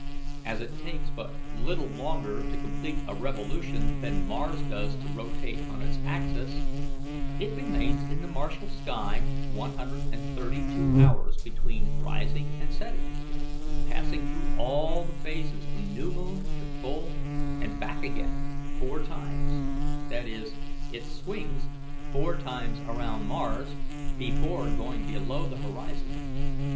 As it takes but little longer to complete a revolution than Mars does to rotate on its axis, it remains in the Martial sky one hundred and thirty two hours between rising and setting, passing through all the phases from new moon to full and back again four times; that is, it swings four times around Mars before going below the horizon.